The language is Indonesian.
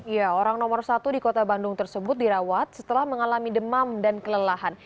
ya orang nomor satu di kota bandung tersebut dirawat setelah mengalami demam dan kelelahan